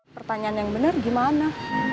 pertanyaan yang benar gimana